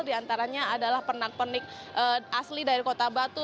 di antaranya adalah penak penik asli dari kota batu